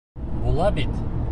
Була бит!